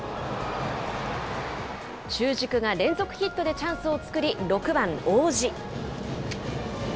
中軸が連続ヒットでチャンスを作り、６番大路。